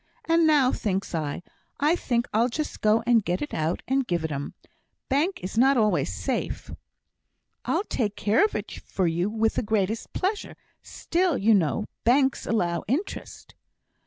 And now, thinks I, I think I'll just go and get it out and give it 'em. Banks is not always safe." "I'll take care of it for you with the greatest pleasure. Still, you know, banks allow interest."